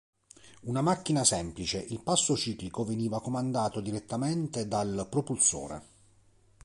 Una macchina semplice, il passo ciclico veniva comandato direttamente dal propulsore.